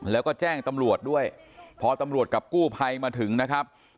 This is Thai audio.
แล้วก็แจ้งตำรวจด้วยพอตำรวจกับกู้ภัยมาถึงนะครับ